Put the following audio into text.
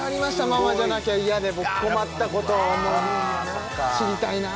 「ママじゃなきゃ嫌」で僕困ったこと知りたいな